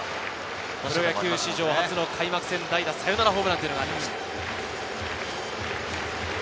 プロ野球史上初の代打サヨナラホームランがありました。